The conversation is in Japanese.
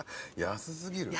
安過ぎる。